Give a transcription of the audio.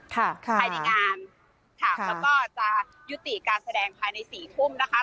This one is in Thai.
ภายในงานค่ะแล้วก็จะยุติการแสดงภายในสี่ทุ่มนะคะ